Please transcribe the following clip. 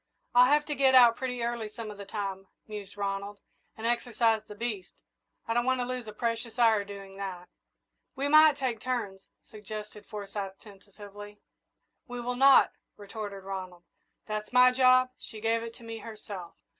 "I'll have to get out pretty early some of the time," mused Ronald, "and exercise the beast. I don't want to lose a precious hour doing that." "We might take turns " suggested Forsyth, tentatively. "We will not," retorted Ronald. "That's my job she gave it to me herself."